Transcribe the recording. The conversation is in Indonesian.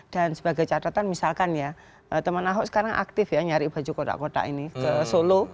dan sebagai catatan misalkan ya teman ahok sekarang aktif ya nyari baju kotak kotak ini ke solo